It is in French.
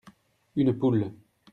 Une poule.